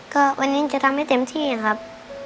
โปรดติดตามตอนต่อไป